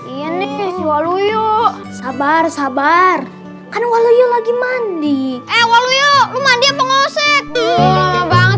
ini lalu yuk sabar sabar kan walu lagi mandi eh walu yuk mandi pengurusan banget